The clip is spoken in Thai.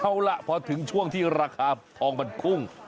เอาล่ะพอถึงช่วงที่ราคาทองมันพุ่ง